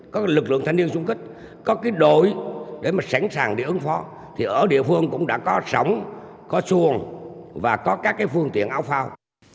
các lực lượng thanh niên xung kích có cái đội để mà sẵn sàng để ứng phó thì ở địa phương cũng đã có sổng có xuồng và có các cái phương tiện áo phao